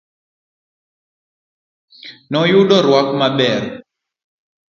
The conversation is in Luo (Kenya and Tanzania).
Noyudo rwak maber.